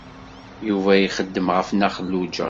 Yuba ixeddem ɣef Nna Xelluǧa.